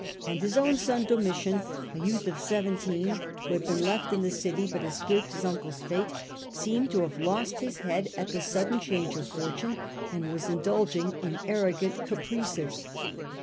69 79 and his own son Domitian, a youth of seventeen, who had been left in the city but escaped his uncle^s fate, seemed to have lost his head at the sudden change of fortune, and was indulging in arrogant caprices.